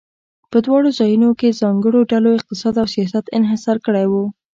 په دواړو ځایونو کې ځانګړو ډلو اقتصاد او سیاست انحصار کړی و.